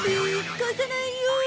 貸さないよ！